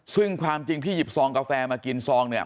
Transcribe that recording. ซึ่งความจริงที่หยิบซองกาแฟมากินซองเนี่ย